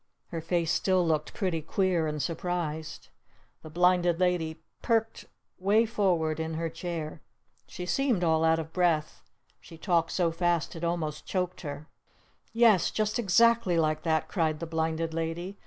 Her face still looked pretty queer and surprised. The Blinded Lady perked way forward in her chair. She seemed all out of breath. She talked so fast it almost choked her! "Yes! Just exactly like that!" cried the Blinded Lady.